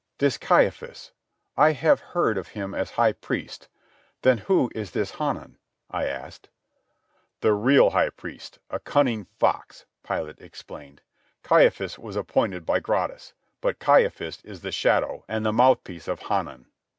"This Caiaphas, I have heard of him as high priest, then who is this Hanan?" I asked. "The real high priest, a cunning fox," Pilate explained. "Caiaphas was appointed by Gratus, but Caiaphas is the shadow and the mouthpiece of Hanan."